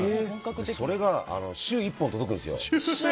それが週１本、届くんですよ。